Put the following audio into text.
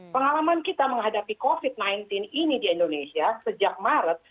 pengalaman kita menghadapi covid sembilan belas ini di indonesia sejak maret